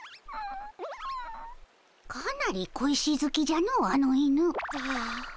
かなり小石好きじゃのあの犬。